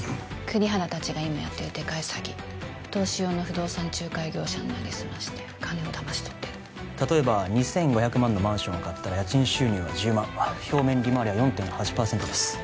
栗原達が今やってるデカい詐欺投資用の不動産仲介業者になりすまして金をだまし取ってる例えば２５００万のマンションを買ったら家賃収入は１０万表面利回りは４．８パーセントです